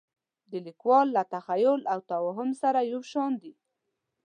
د لیکوال له تخیل او توهم سره یو شان دي.